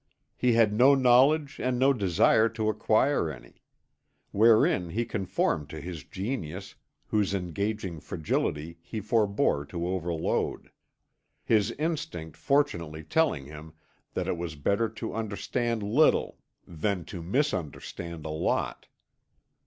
He had no knowledge and no desire to acquire any; wherein he conformed to his genius whose engaging fragility he forbore to overload; his instinct fortunately telling him that it was better to understand little than to misunderstand a lot.